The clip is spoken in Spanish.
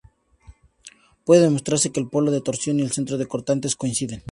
Puede demostrarse que el polo de torsión y el centro de cortantes coinciden.